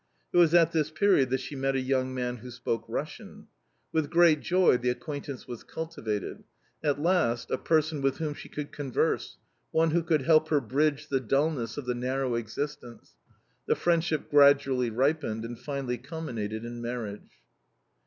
It was at this period that she met a young man who spoke Russian. With great joy the acquaintance was cultivated. At last a person with whom she could converse, one who could help her bridge the dullness of the narrow existence. The friendship gradually ripened and finally culminated in marriage.